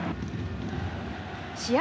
試合